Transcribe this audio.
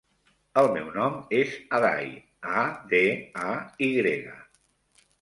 El meu nom és Aday: a, de, a, i grega.